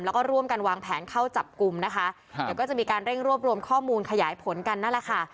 แล้วก็ร่วมกันวางแผนเข้าจับกลุ่มนะคะครับเดี๋ยวก็จะมีการเร่งรวบรวมข้อมูลขยายผลกันนั่นแหละค่ะ